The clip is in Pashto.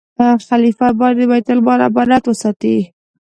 خلیفه باید د بیت المال امانت وساتي.